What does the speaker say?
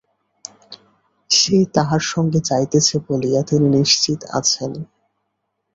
সে তাঁহার সঙ্গে যাইতেছে বলিয়া তিনি নিশ্চিন্ত আছেন।